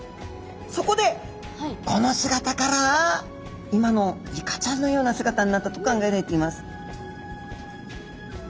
そこでこの姿から今のイカちゃんのような姿になったと考えられています。